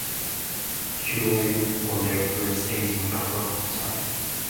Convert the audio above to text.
Kuwait won their first Asian Cup of all time.